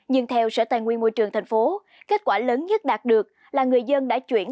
nhưng theo sở tài nguyên môi trường tp kết quả lớn nhất đạt được là người dân đã chuyển